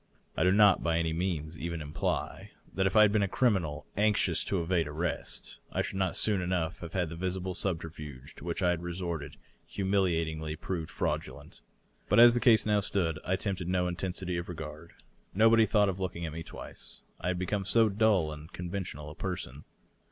I do not by any means even imply that if I had been a criminal anxious to evade arrest I should not soon enough have had the visible subterftige to which I had resorted humiliatingly proved fraudulent. But as the case now stood, I tempted no intensity of regard. Nobody thought of looking at me twice, I had become so dull and conventional a person.